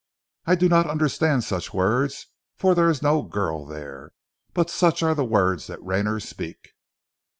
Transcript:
I do not understand such words, for there is no girl there, but such are the words that Rayner speak."